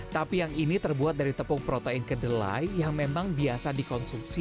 tapi yang ini terbuat dari tepung protein kedelai yang memang biasa dikonsumsi